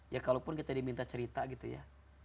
ya kalaupun kita diminta cerita gitu ya